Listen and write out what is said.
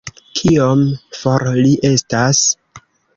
Kiom for li estas